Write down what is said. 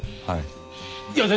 はい。